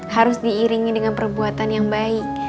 harus diiringi dengan perbuatan yang baik